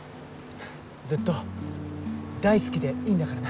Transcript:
ずっと大好きでいいんだからな。